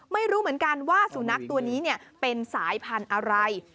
ไม่รู้เหมือนกันว่าสุนัขตัวนี้เป็นสายพันธุ์อะไร